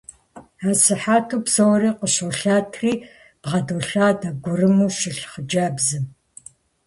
Асыхьэту псори къыщолъэтри, бгъэдолъадэ гурыму щылъ хъыджэбзым.